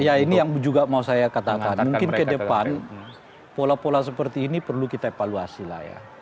ya ini yang juga mau saya katakan mungkin ke depan pola pola seperti ini perlu kita evaluasi lah ya